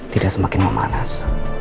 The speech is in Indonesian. tidak semakin memanas